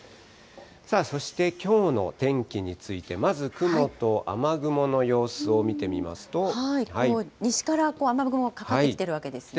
さあ、そしてきょうの天気について、まず雲と雨雲の様子を見てみ西から雨雲かかってきてるわですね。